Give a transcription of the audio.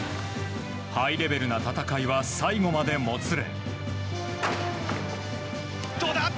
ハイレベルな戦いは最後までもつれ。